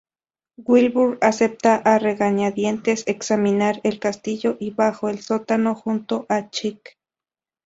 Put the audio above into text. Wilbur acepta a regañadientes examinar el castillo, y baja al sótano junto a Chick.